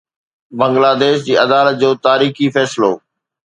بنگلاديش جي عدالت جو تاريخي فيصلو